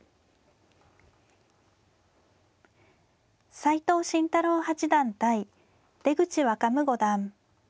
斎藤慎太郎八段対出口若武五段。